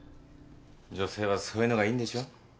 女性はそういうのがいいんでしょ？